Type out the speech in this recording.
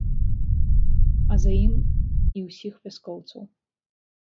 А за ім і ўсіх вяскоўцаў.